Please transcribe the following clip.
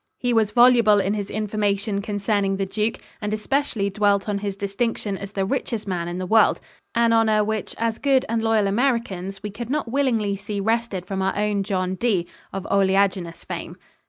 He was voluble in his information concerning the Duke and especially dwelt on his distinction as the richest man in the world an honor which as good and loyal Americans we could not willingly see wrested from our own John D. of oleaginous fame.